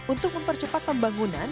untuk mempercepat pembangunan